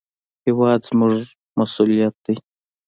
هېواد زموږ مسوولیت دی